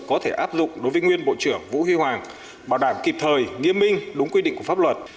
có thể áp dụng đối với nguyên bộ trưởng vũ huy hoàng bảo đảm kịp thời nghiêm minh đúng quy định của pháp luật